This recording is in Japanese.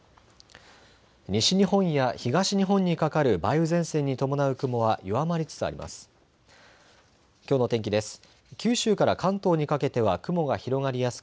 西日本や東日本にかかる梅雨前線に伴う雲は弱まりつつあります。